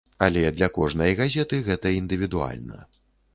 Але для кожнай газеты гэта індывідуальна.